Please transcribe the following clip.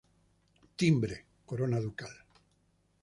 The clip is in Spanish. Timbre: Corona Ducal.